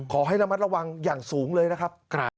ขอให้ระมัดระวังอย่างสูงเลยนะครับ